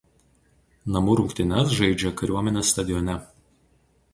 Namų rungtynes žaidžia kariuomenės stadione.